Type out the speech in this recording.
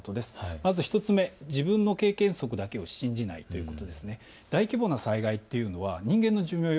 まず１つ目、自分の経験則だけを信じないこと。